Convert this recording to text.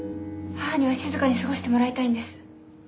母には静かに過ごしてもらいたいんです。